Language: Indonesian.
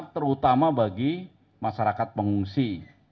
terutama bagi masyarakat pengungsi